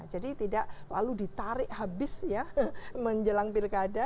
tidak lalu ditarik habis ya menjelang pilkada